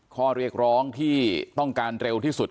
ข้อเรียกร้องที่ต้องการเร็วที่สุด